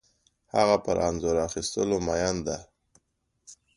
هغه پر انځور اخیستلو مین ده